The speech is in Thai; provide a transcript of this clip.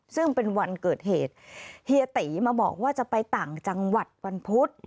ซึ่งเป็นวันเกิดเหตุเฮียตีมาบอกว่าจะไปต่างจังหวัดวันพุธ